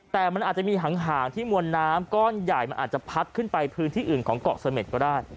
แต่มันอาจจะมีห่างที่มวลน้ำก้อนใหญ่มันอาจจะพัดขึ้นไปพื้นที่อื่นของเกาะเสม็ดก็ได้